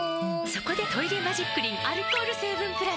そこで「トイレマジックリン」アルコール成分プラス！